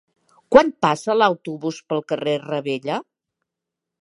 Quan passa l'autobús pel carrer Ravella?